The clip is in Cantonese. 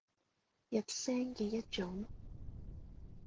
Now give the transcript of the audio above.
入聲嘅一種